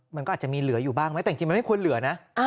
มันก็อาจจะมีเหลืออยู่บ้างไหมแต่จริงมันไม่ควรเหลือนะ